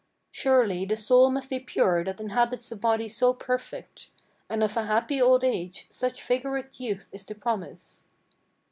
Surely the soul must be pure that inhabits a body so perfect, And of a happy old age such vigorous youth is the promise."